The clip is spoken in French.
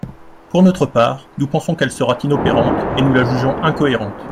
Pour notre part, nous pensons qu’elle sera inopérante, et nous la jugeons incohérente.